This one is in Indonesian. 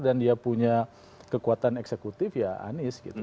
dan dia punya kekuatan eksekutif ya anies gitu